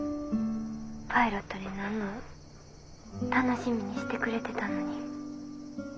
パイロットになんの楽しみにしてくれてたのに。